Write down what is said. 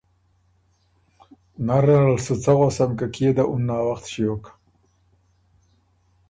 نرنرل سُو څۀ غؤسم که کيې ده اُن ناوخت ݭیوک؟